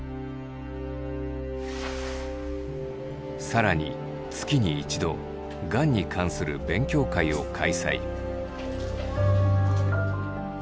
更に月に一度がんに関する勉強会を開催。